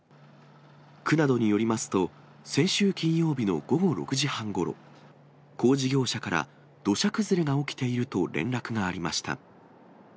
区などによりますと、先週金曜日の午後６時半ごろ、工事業者から、土砂崩れが起きていると連絡がありました。